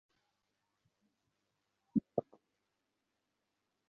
কোন সমস্যা হয়েছে?